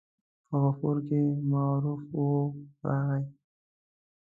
په غفور کې معروف واو راغلی.